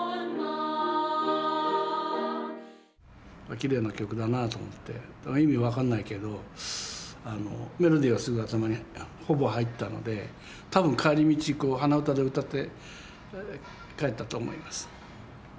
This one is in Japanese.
きれいな曲だなと思って意味分かんないけどメロディーはすぐ頭にほぼ入ったので多分帰り道鼻歌で歌って帰ったと思います。